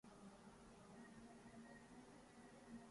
اس بار متحدہ قومی موومنٹ اس کے پیچھے ہے۔